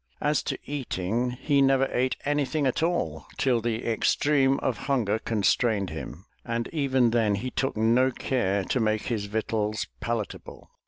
As to eating, he never ate anything at all till the extreme of himger constrained him, and even then he took no care to make his victuals palatable.